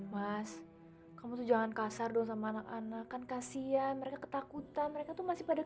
mas kamu tuh jangan kasar doa sama anak anak kan kasian mereka ketakutan mereka tuh masih pada